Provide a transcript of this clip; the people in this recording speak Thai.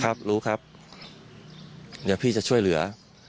ครับรู้ครับเดี๋ยวพี่จะช่วยเหลือ